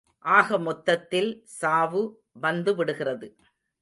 ஆக மொத்தத்தில் சாவு வத்துவிடுகிறது.